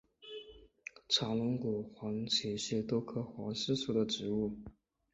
长龙骨黄耆是豆科黄芪属的植物。